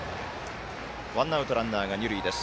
ワンアウト、ランナーが二塁です。